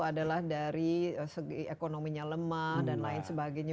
adalah dari segi ekonominya lemah dan lain sebagainya